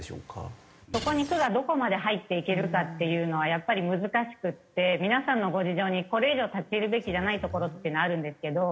そこに区がどこまで入っていけるかっていうのはやっぱり難しくて皆さんのご事情にこれ以上立ち入るべきじゃないところっていうのはあるんですけど。